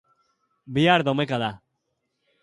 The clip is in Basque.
Bihar domeka da.